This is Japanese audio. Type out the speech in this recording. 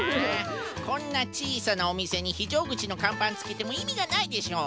こんなちいさなおみせにひじょうぐちのかんばんつけてもいみがないでしょう。